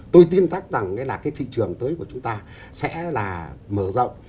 tôi tin rằng cái thị trường tới của chúng ta sẽ là mở rộng